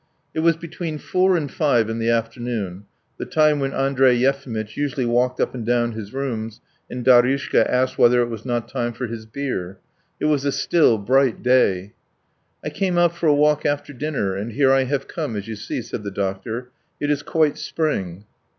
It was between four and five in the afternoon the time when Andrey Yefimitch usually walked up and down his rooms, and Daryushka asked whether it was not time for his beer. It was a still, bright day. "I came out for a walk after dinner, and here I have come, as you see," said the doctor. "It is quite spring."